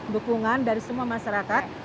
dukungan dari semua masyarakat